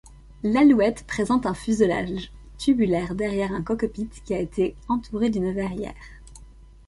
L'Alouette présente un fuselage tubulaire derrière un cockpit qui a été entouré d'une verrière.